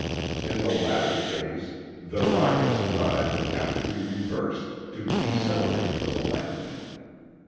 In the latter phase, the rocket's drive would have to be reversed, to decelerate for the landing.